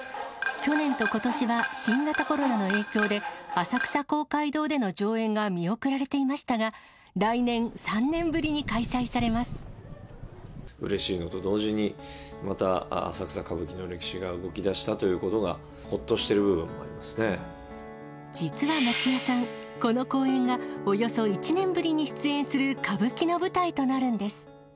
去年とことしは新型コロナの影響で、浅草公会堂での上演が見送られていましたが、来年、３年ぶりに開うれしいのと同時に、また浅草歌舞伎の歴史が動き出したということが、ほっとしている実は松也さん、この公演がおよそ１年ぶりに出演する歌舞伎の舞台となるんです。